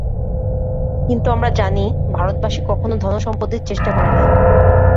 কিন্তু আমরা জানি, ভারতবাসী কখনও ধনসম্পদের চেষ্টা করে নাই।